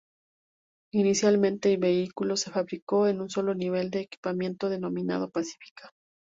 Inicialmente, el vehículo se fabricó en un solo nivel de equipamiento, denominado Pacifica.